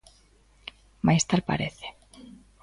Mais tal parece.